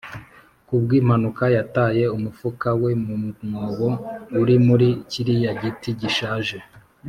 ku bw'impanuka yataye umufuka we mu mwobo uri muri kiriya giti gishaje.